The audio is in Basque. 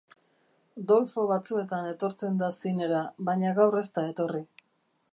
Dolfo batzuetan etortzen da zinera, baina gaur ez da etorri.